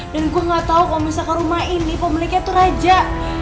dan gue gak tau kalau misalkan rumah ini pemiliknya tuh raja